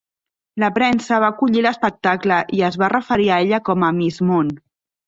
La premsa va acollir l'espectacle i es va referir a ella com a "Miss Món".